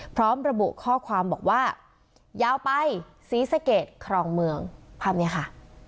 พร้อมระบุข้อความบอกว่ายาวไปศรีสะเกดครองเมืองภาพนี้ค่ะ